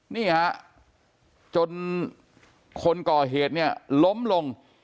นี่ฮะจนคนก่อเหตุเนี่ยล้มลง